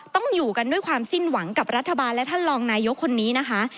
ต้องอยู่กันด้วยความสิ้นหวังกับรัฐบาลและท่านรองนายกคนนี้นะคะ